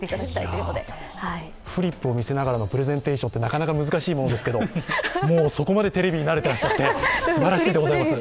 フリップを見せながらのプレゼンテーションはなかなか難しいものですけどそこまでテレビに慣れていらっしゃって、すばらしいです。